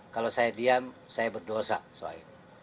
kalau saya diam saya berdosa soal ini